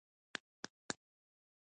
د سپېس کیپسول بېرته ځمکې ته رالوېږي.